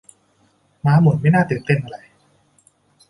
ม้าหมุนไม่น่าตื่นเต้นเท่าไหร่